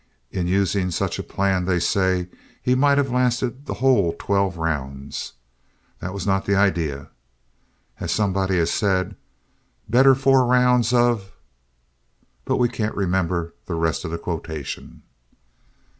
In using such a plan, they say, he might have lasted the whole twelve rounds. That was not the idea. As somebody has said, "Better four rounds of " but we can't remember the rest of the quotation.